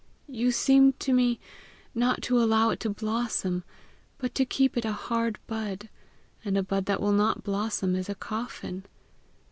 You seem to me not to allow it to blossom, but to keep it a hard bud; and a bud that will not blossom is a coffin.